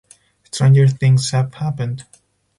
Stranger things have happened.